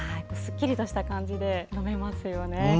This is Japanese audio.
すっきりとした感じで飲めますよね。